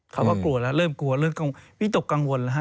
เขาก็กลัวแล้วเริ่มกลัวเริ่มวิตกกังวลแล้วฮะ